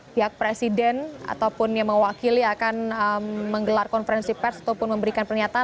pihak presiden ataupun yang mewakili akan menggelar konferensi pers ataupun memberikan pernyataan